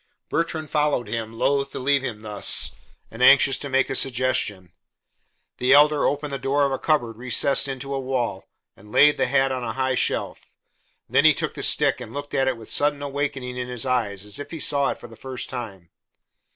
Bertrand followed him, loath to leave him thus, and anxious to make a suggestion. The Elder opened the door of a cupboard recessed into the wall and laid the hat on a high shelf. Then he took the stick and looked at it with a sudden awakening in his eyes as if he saw it for the first time.